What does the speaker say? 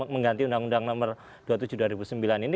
mengganti undang undang nomor dua puluh tujuh dua ribu sembilan ini